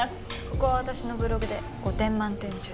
ここは私のブログで５点満点中４点なんで。